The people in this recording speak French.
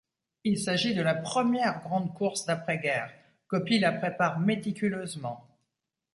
Il s'agit de la première grande course d'après-guerre, Coppi la prépare méticuleusement.